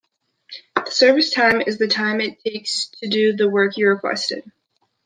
The service time is the time it takes to do the work you requested.